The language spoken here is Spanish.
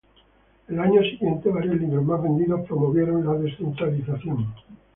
En los años siguientes, varios libros más vendidos promovieron la descentralización.